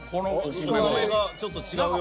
お米がちょっと違うよ。